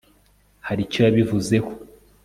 hari icyo yabivuzeho